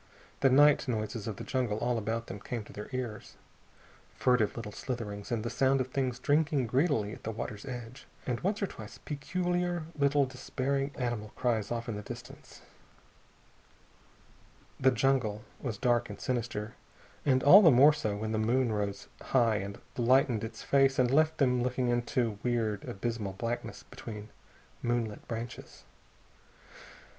The night noises of the jungle all about them came to their ears. Furtive little slitherings, and the sound of things drinking greedily at the water's edge, and once or twice peculiar little despairing small animal cries off in the darkness. The jungle was dark and sinister, and all the more so when the moon rose high and lightened its face and left them looking into weird, abysmal blackness between moonlit branches.